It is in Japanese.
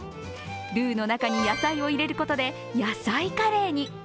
ルーの中に野菜を入れることで野菜カレーに。